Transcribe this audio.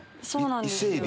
そうなんですよ。